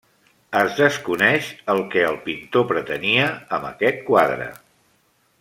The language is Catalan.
Es desconeix el que el pintor pretenia amb aquest quadre.